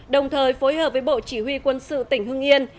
đồng thời phối hợp với bộ chỉ huy quân sự tỉnh hưng yên